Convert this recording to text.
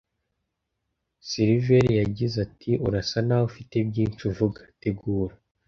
Silver yagize ati: "Urasa naho ufite byinshi uvuga." “Tegura